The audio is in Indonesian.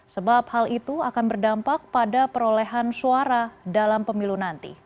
sebab hal itu akan berdampak pada perolehan suara dalam pemilu nanti